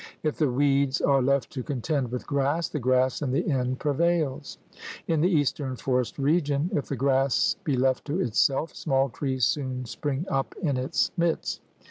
If the weeds are left to contend with grass, the grass in the end prevails. In the eastern forest region, if the grass be left to itself, small trees soon spring up in its midst.